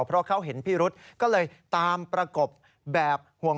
เพราะเขาเห็นพิรุษก็เลยตามประกบแบบห่วง